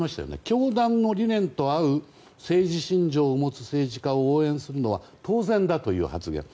教団の理念と合う政治信条を持つ政治家を応援するのは当然だという発言。